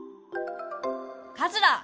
カズラー。